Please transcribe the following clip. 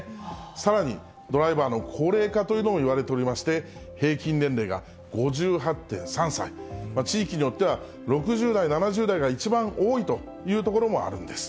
さらにドライバーの高齢化というのもいわれておりまして、平均年齢が５８．３歳、地域によっては６０代、７０代が一番多いという所もあるんです。